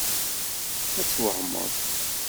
Ad twehmeḍ!